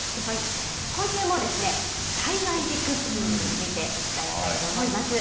今週も災害時クッキングについてお伝えしたいと思います。